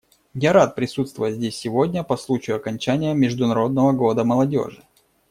Я рад присутствовать здесь сегодня по случаю окончания Международного года молодежи.